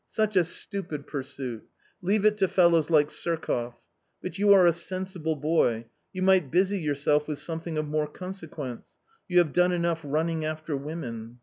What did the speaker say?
" Such a stupid pursuit ; leave it to fellows like £iirkol But you are a sensible boy ; you might busy yourself wtth something of more consequence. You have done enough running after women."